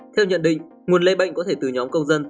theo nhận định nguồn lây bệnh có thể từ nhóm công dân